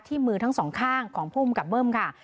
มือทั้งสองข้างของภูมิกับเบิ้มค่ะ